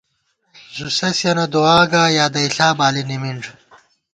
زُوسَسِینہ دُعا گا، یادئیݪا بالی نِمِنݮ